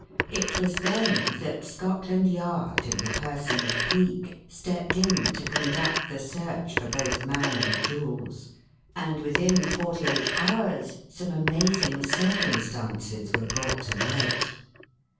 It was then that Scotland Yard, in the person of Cleek, stepped in to conduct the search for both man and jewels; and within forty eight hours some amazing circumstances were brought to light.